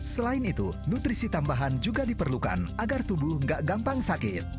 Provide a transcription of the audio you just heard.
selain itu nutrisi tambahan juga diperlukan agar tubuh nggak gampang sakit